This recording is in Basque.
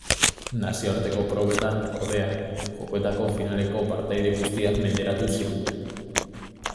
Nazioarteko probetan, ordea, jokoetako finaleko partaide guztiak menderatu zituen.